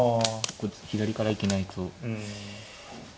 左から行けないと。